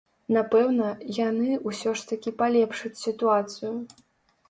Напэўна, яны ўсё ж такі палепшаць сітуацыю.